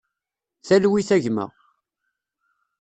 Talwit a gma.